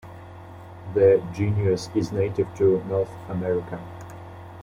The genus is native to North America.